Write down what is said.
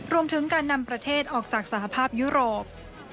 รวมถึงการนำประเทศออกจากสหภาพยุโรป